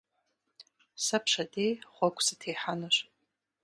Сэ пщэдей гъуэгу сытехьэнущ.